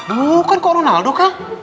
bukan kok ronaldo kak